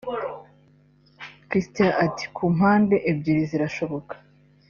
Christian ati “Ku mpande ebyiri birashoboka